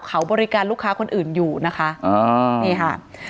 เขาบริการลูกค้าคนอื่นอยู่นะคะนี่ค่ะ